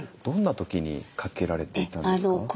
どんな時にかけられていたんですか？